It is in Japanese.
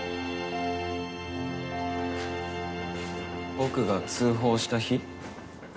僕が通報した日？